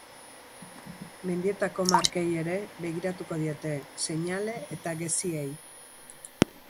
Mendietako markei ere begiratuko diete, seinale eta geziei.